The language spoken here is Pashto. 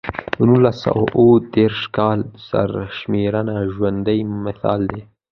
د نولس سوه اووه دېرش کال سرشمېرنه ژوندی مثال دی.